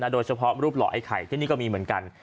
โดยเฉพาะรูปหล่อไอ้ไข่ที่นี่ก็มีเหมือนกัน